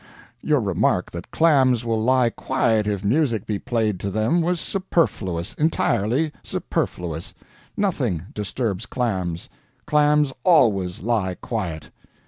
Your remark that clams will lie quiet if music be played to them was superfluous entirely superfluous. Nothing disturbs clams. Clams always lie quiet.